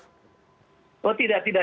oh tidak tidak